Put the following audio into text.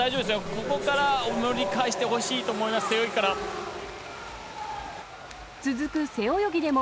ここから盛り返してほしいと思います、背泳ぎから。